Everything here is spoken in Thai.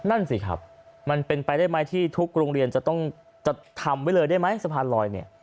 นั่นสิครับมันเป็นไปได้ไหมที่ทุกโรงเรียนจะต้องจะทำไว้เลยได้ไหมสะพานลอยเนี่ย